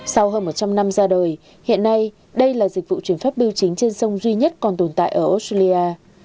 sau hơn một trăm linh năm ra đời hiện nay đây là dịch vụ chuyển phát biểu chính trên sông duy nhất còn tồn tại ở australia